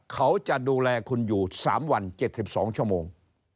เขาจะดูแลคุณอยู่๓วัน๗๒ชั่วโมง